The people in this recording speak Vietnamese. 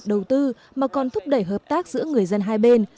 đầu tư mà còn thúc đẩy hợp tác giữa người dân hai bên